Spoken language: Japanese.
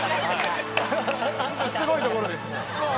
すごいところですもう。